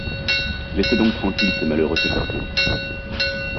Laissez donc tranquilles ces malheureux cétacés.